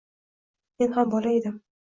Men ham bola edim.